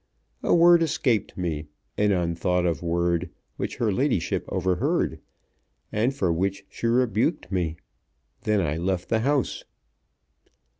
A word escaped me, an unthought of word, which her ladyship overheard, and for which she rebuked me. Then I left the house."